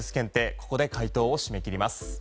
ここで解答を締め切ります。